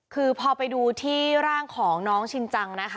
คือพอไปดูที่ร่างของน้องชินจังนะคะ